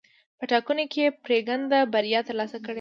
په ټاکنو کې یې پرېکنده بریا ترلاسه کړې وه.